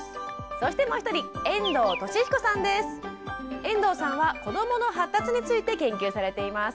そしてもう一人遠藤さんは子どもの発達について研究されています。